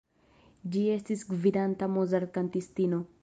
Ŝi estis gvidanta Mozart‑kantistino.